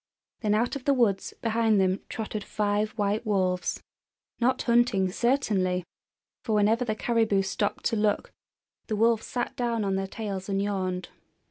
Then out of the woods behind them trotted five white wolves, not hunting, certainly! for whenever the caribou stopped to look the wolves sat down on their tails and yawned.